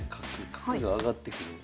角が上がってくる。